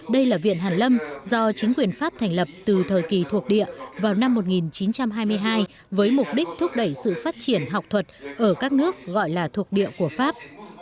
đây là viện hàn lâm do chính quyền pháp thành lập từ thời kỳ thuộc địa vào năm một nghìn chín trăm hai mươi hai với mục đích thúc đẩy sự phát triển học thuật ở các nước gọi là thuộc địa của pháp